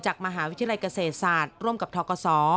มหาวิทยาลัยเกษตรศาสตร์ร่วมกับทกศ